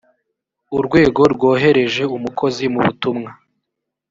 urwego rwohereje umukozi mu butumwa